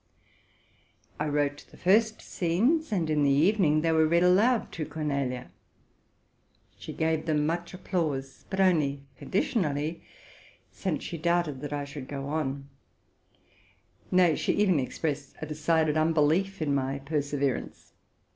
I wrote the first scenes, and in the evening they were read aloud to Cornelia. She gave them much applause, but only conditionally, since she doubted that I should go on so; nay, she even expressed a decided unbelief in my perseverance.